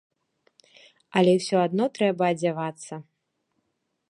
Але ўсё адно трэба адзявацца.